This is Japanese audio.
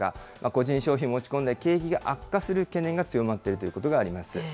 個人消費も落ち込んで、景気が悪化する懸念が強まっているということがあります。